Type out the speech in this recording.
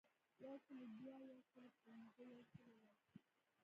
یو سلو دوه، یو سلو پنځه ،یو سلو لس .